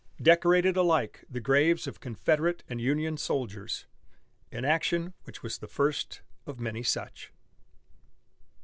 decorated alike the graves of Confederate and Union soldiers, an action which was the first of many such.